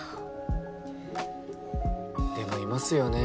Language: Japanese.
でもいますよね